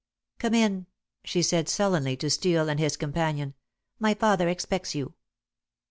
"Come in," she said sullenly to Steel and his companion. "My father expects you."